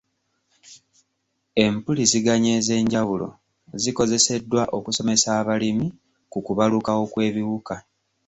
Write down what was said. Empuliziganya ez'enjawulo zikozeseddwa okusomesa abalimi ku kubalukawo kw'ebiwuka.